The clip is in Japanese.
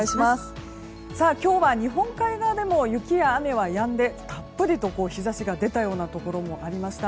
今日は日本海側でも雪や雨はやんでたっぷりと日差しが出たようなところもありました。